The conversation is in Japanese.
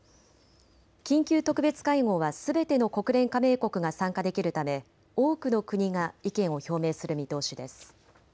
緊急特別会合はすべての国連加盟国が参加できるため多くの国が意見を表明する見通しです。